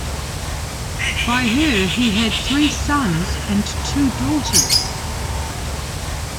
By her he had three sons and two daughters.